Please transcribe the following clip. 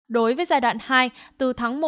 đối với giai đoạn hai từ tháng một